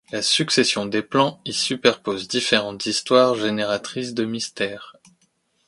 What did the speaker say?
La succession des plans y superpose différentes histoires génératrices de mystère.